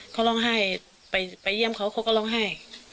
เขาร้องไห้ไปเยี่ยมเขาเขาก็ร้องไห้